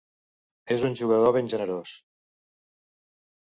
És un jugador ben generós.